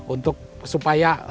untuk supaya bagaimana